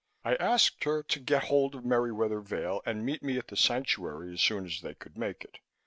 I asked her to get hold of Merriwether Vail and meet me at the Sanctuary as soon as they could make it.